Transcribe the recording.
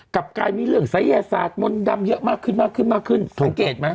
กับกายมีเรื่องทรายแยสาธิตมณดำเยอะมากขึ้นมากขึ้นค้างเกตไหม